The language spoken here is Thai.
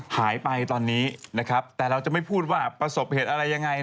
หายไปตอนนี้นะครับแต่เราจะไม่พูดว่าประสบเหตุอะไรยังไง